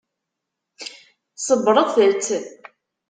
Ṣebbṛet-t.